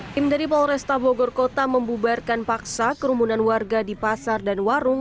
tim dari polresta bogor kota membubarkan paksa kerumunan warga di pasar dan warung